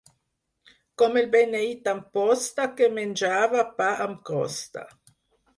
Com el beneit d'Amposta, que menjava pa amb crosta.